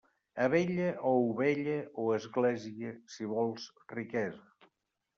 Abella o ovella o església, si vols riquesa.